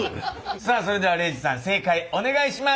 さあそれでは礼二さん正解お願いします。